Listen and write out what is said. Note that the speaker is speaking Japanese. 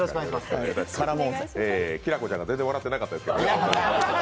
きらこちゃんが全然、笑ってなかったですけどね。